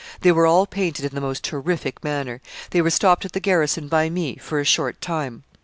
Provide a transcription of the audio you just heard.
They were all painted in the most terrific manner. They were stopped at the garrison by me, for a short time.